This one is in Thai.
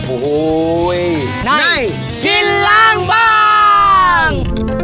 โอ้โห้ยนายกินหลังบ้าง